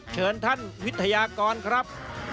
เชิญท่านวิทยากรครับ